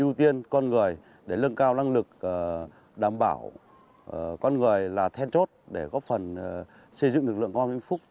ưu tiên con người để lưng cao năng lực đảm bảo con người là then chốt để góp phần xây dựng lực lượng công an vĩnh phúc